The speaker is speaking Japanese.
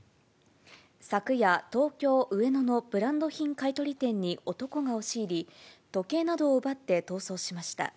昨夜、東京・上野のブランド品買い取り店に男が押し入り、時計などを奪って逃走しました。